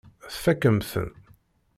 Tfakk-am-ten.